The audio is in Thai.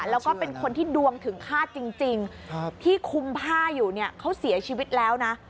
แล้วก็เป็นคนที่ดวงถึงฆาตจริงที่คุมผ้าอยู่เนี่ยเขาเสียชีวิตแล้วนะ